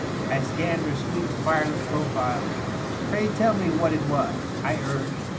I scanned her sweet, firelit profile. " Pray tell me what it was," I urged.